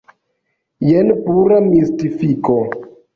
Jen pura mistifiko.